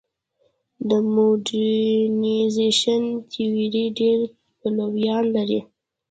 د موډرنیزېشن تیوري ډېر پلویان لري.